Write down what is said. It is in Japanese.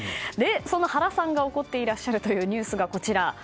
その原さんが怒っていらっしゃるというニュースがこちら。